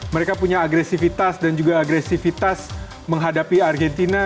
mereka punya agresifitas dan juga agresifitas menghadapi argentina